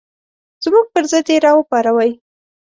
زموږ پر ضد یې راوپاروئ.